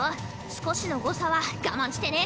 少しの誤差は我慢してね。